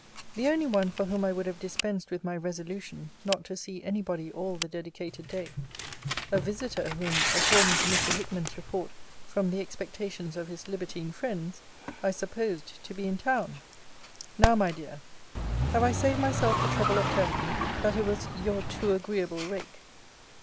The only one for whom I would have dispensed with my resolution not to see any body all the dedicated day: a visiter, whom, according to Mr. Hickman's report from the expectations of his libertine friends, I supposed to be in town. Now, my dear, have I saved myself the trouble of telling you, that it was you too agreeable rake.